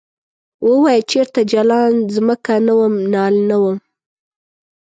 ووایه چرته جلان ځمکه نه وم نال نه وم ؟